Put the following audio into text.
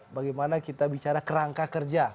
bagaimana kita bicara kerangka kerja